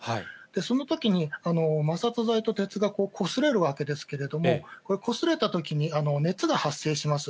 そのときに、摩擦材と鉄がこすれるわけですけれども、こすれたときに熱が発生します。